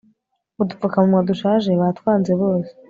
udupfukamunwa dushaje batwanze bose